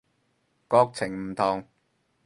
國情唔同